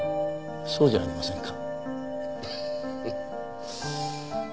そうじゃありませんか？